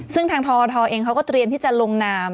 ซึ่งทางทอทเองเขาก็เตรียมที่จะลงนาม